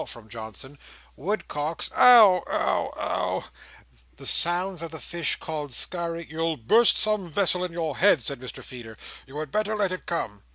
(from Johnson.) "Woodcocks—" "Ow, ow, ow!" "The sounds of the fish called scari—" "You'll burst some vessel in your head," said Mr Feeder. "You had better let it come."